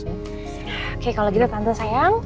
oke kalau gitu tante sayang